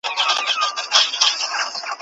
چي تا ووینم جامونو ته مي زړه سي